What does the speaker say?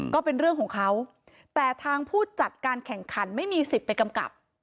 ก็เป็นเรื่องของเขาแต่ทางผู้จัดการแข่งขันไม่มีสิทธิ์ไปกำกับ